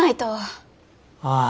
ああ。